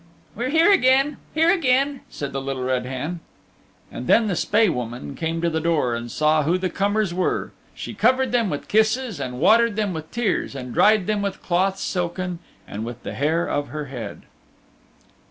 "We're here again, here again," said the Little Red Hen. And then the Spae Woman came to the door and saw who the comers were. She covered them with kisses and watered them with tears, and dried them with cloths silken and with the hair of her head.